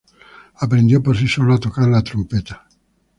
Aprendió por sí solo a tocar la trompeta.